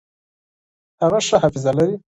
هغه ښه حافظه لري.